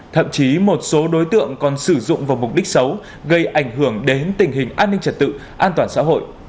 thậm chí một số đối tượng còn sử dụng vào mục đích xấu gây ảnh hưởng đến tình hình an ninh trật tự an toàn xã hội